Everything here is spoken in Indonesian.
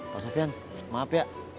pak sofyan maaf ya